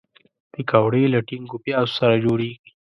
پکورې له ټینګو پیازو سره جوړیږي